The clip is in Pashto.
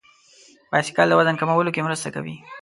بایسکل د وزن کمولو کې مرسته کوي.